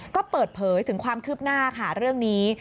ก็เปิดเผยถึงความคืบหน้าค่ะเรื่องนี้